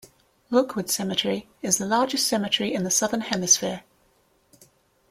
Rookwood Cemetery is the largest cemetery in the Southern Hemisphere.